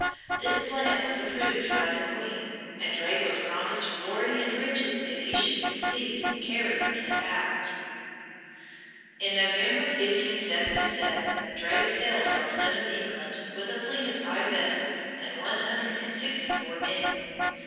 This plan was approved by the queen, and Drake was promised glory and riches if he should succeed in carrying it out. In November, 1577, Drake sailed from Plymouth, England, with a fleet of five vessels and one hundred and sixty four men.